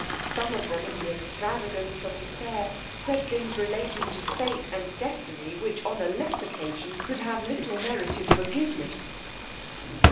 Some of them, in the extravagance of despair, said things relating to fate and destiny, which, on a less occasion, could have little merited forgiveness.